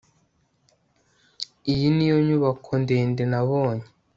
Iyi niyo nyubako ndende nabonye